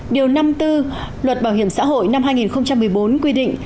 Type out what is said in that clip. điều năm mươi bốn luật bảo hiểm xã hội năm hai nghìn một mươi bốn quy định